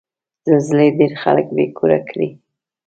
زلزلې ډېر خلک بې کوره کړي.